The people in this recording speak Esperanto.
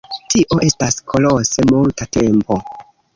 Tio estas kolose multa tempo.